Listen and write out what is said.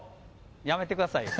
やめてくださいよ。